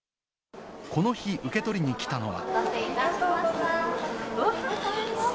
この日受け取りに来たのは。